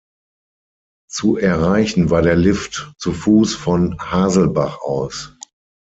Zu erreichen war der Lift zu Fuß von Haselbach aus.